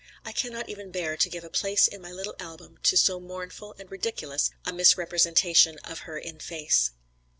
I cannot even bear to give a place in my little album to so mournful and ridiculous a misrepresentation of her in face."